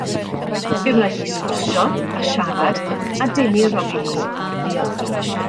Fe wnaeth hi sgwrsio, a siarad, a denu'r robin goch.